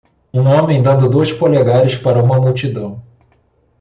um homem dando dois polegares para uma multidão.